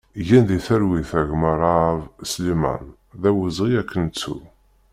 Gen di talwit a gma Raab Sliman, d awezɣi ad k-nettu!